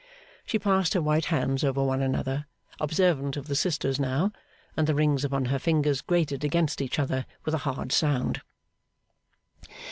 She passed her white hands over one another, observant of the sisters now; and the rings upon her fingers grated against each other with a hard sound.